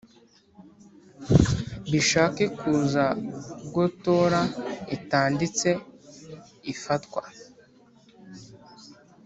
Bishaka kuze ubwo torah itanditse ifatwa